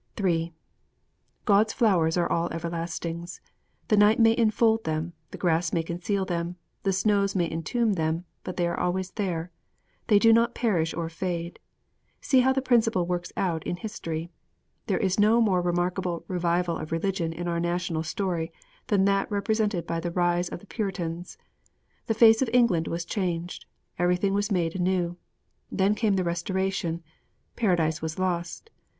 III God's flowers are all everlastings. The night may enfold them; the grass may conceal them; the snows may entomb them; but they are always there. They do not perish or fade. See how the principle works out in history! There is no more remarkable revival of religion in our national story than that represented by the Rise of the Puritans. The face of England was changed; everything was made anew. Then came the Restoration. Paradise was lost.